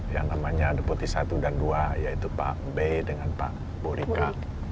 yang namanya deputi satu dan dua yaitu pak b dengan pak borika